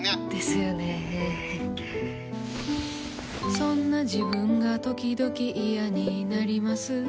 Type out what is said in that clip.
そんな自分がときどき嫌になります。